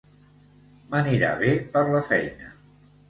M'anirà bé per la feina.